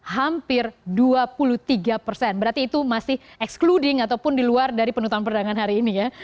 hampir dua puluh tiga persen berarti itu masih excluding ataupun di luar dari penutupan perdagangan hari ini ya